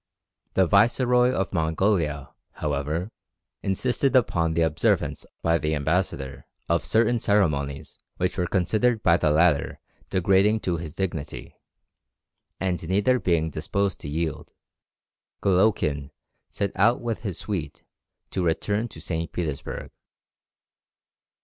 The Viceroy of Mongolia, however, insisted upon the observance by the ambassador of certain ceremonies which were considered by the latter degrading to his dignity; and neither being disposed to yield, Golowkin set out with his suite to return to St. Petersburg.